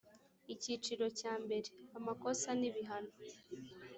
icyiciro cya mbere amakosa n ibihano